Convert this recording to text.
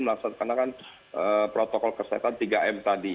melaksanakan protokol kesehatan tiga m tadi